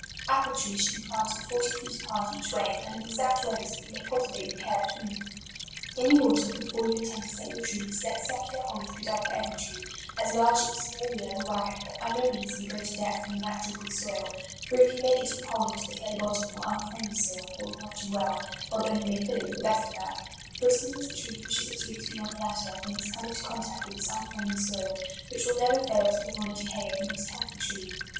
Apple trees should be planted forty feet apart each way, and in exact rows, that you may cultivate with care between them. In the autumn, before you intend to set your trees, let circular holes be dug for eve ry tree, as large as the small wheel of a wag gon, but by no means of a greater depth than the natural good soil ; for if you make a deep hole into the clay bottom, or unfriendly soil, it will not do well, although you may fill it with the best of earth ; for as soon as the tree pushes its roots beyond the latter, they must come into contact with this unfriendly soil, which will never fail to bring on a decay of the most healthy tree.